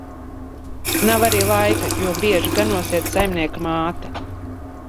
Nav arī laika, jo bieži ganos iet saimnieka māte.